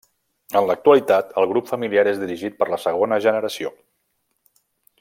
En l'actualitat el grup familiar és dirigit per la segona generació.